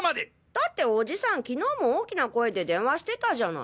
だっておじさん昨日も大きな声で電話してたじゃない。